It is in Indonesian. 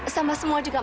sama semua juga maaf ya